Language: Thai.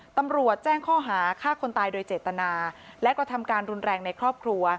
ตำรวจแจ้งข้อหาฆ่าคนตายโดยเจตนาและกระทำการรุนแรงในครอบครัว